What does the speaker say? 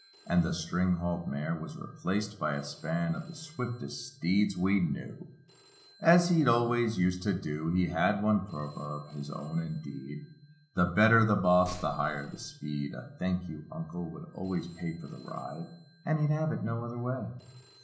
And the string halt mare was replaced by a span Of the swiftest steeds we knew; ii6 As he always used to do. He had one proverb, his own indeed: "The better the boss the higher the speed!" A "Thank you Uncle" would always pay For the ride, and he'd have it no other way.